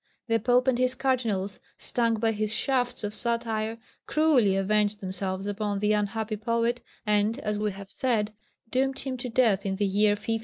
The Pope and his Cardinals, stung by his shafts of satire, cruelly avenged themselves upon the unhappy poet, and, as we have said, doomed him to death in the year 1569.